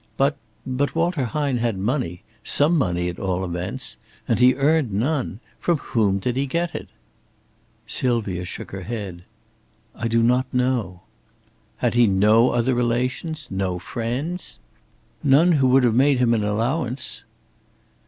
But but Walter Hine had money some money, at all events. And he earned none. From whom did he get it?" Sylvia shook her head. "I do not know." "Had he no other relations, no friends?" "None who would have made him an allowance."